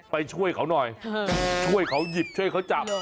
ไปช่วยเขาหน่อยช่วยเขาหยิบช่วยเขาจับ